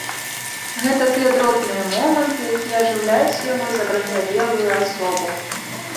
Гэта тыя дробныя моманты, якія ажыўляюць яго забранзавелую асобу.